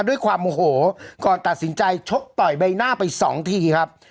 ด้วยความโมโหก่อนตัดสินใจชกต่อยใบหน้าไปสองทีครับ